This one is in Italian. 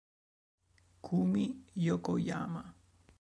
Kumi Yokoyama